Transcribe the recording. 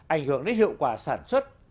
ảnh hưởng đến hiệu quả sản xuất